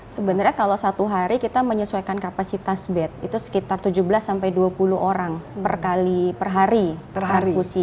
sebenarnya kalau satu hari kita menyesuaikan kapasitas bed itu sekitar tujuh belas sampai dua puluh orang per hari fusi